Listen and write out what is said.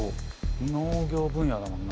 農業分野だもんな